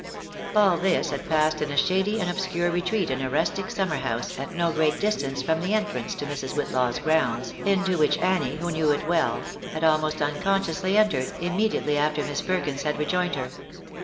All this had passed in a shady and obscure retreat in a rustic summer house, at no great distance from the entrance to Mrs. Whitlaw's grounds, into which Annie, who knew it well, had almost unconsciously entered, immediately after Miss Perkins had rejoined her.